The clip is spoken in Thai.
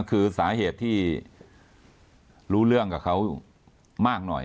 คือสาเหตุที่รู้เรื่องกับเขามากหน่อย